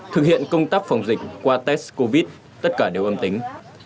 thực hiện công tác phòng dịch qua test covid tất cả đều âm tính